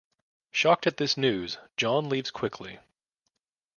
Shocked at this news, Jon leaves quickly.